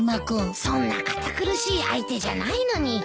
そんな堅苦しい相手じゃないのに。